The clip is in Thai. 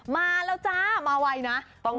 มาแล้วจ้ามาไวนะ